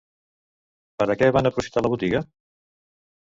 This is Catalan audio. Per a què van aprofitar la botiga?